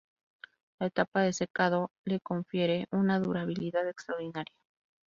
La etapa de secado le confiere una durabilidad extraordinaria.